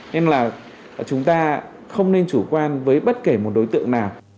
nên là chúng ta không nên chủ quan với bất kể một đối tượng nào